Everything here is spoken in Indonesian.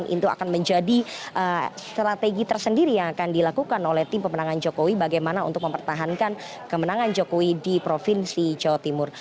itu akan menjadi strategi tersendiri yang akan dilakukan oleh tim pemenangan jokowi bagaimana untuk mempertahankan kemenangan jokowi di provinsi jawa timur